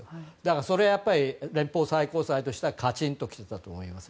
それはやっぱり連邦最高裁としてはカチンときてたと思います。